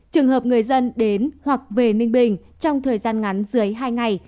trường hợp người dân đến hoặc về ninh bình trong thời gian ngắn dưới hai ngày